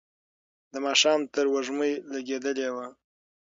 د ماښام تروږمۍ لګېدلې وه.